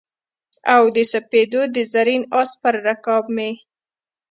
او د سپېدو د زرین آس پر رکاب مې